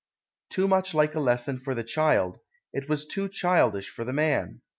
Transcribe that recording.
Too much like a lesson for the child, it was too childish for the man.